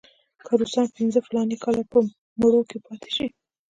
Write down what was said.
که روسان پنځه فلاني کاله په مرو کې پاتې شي.